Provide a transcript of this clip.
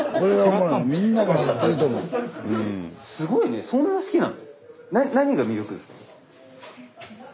すごいねそんな好きなの？